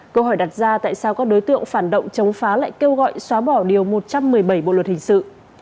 câu hỏi đặt ra tại sao các đối tượng phản động chống phá lại kêu gọi xóa bỏ điều một trăm một mươi bảy bộ luật hình sự